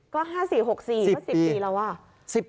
ก็๕๔๖๔เพราะ๑๐ปีแล้วว่ะ๑๐ปี